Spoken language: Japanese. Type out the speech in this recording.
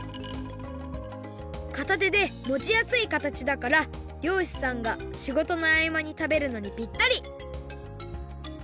かたてでもちやすいかたちだから漁師さんがしごとのあいまに食べるのにぴったり！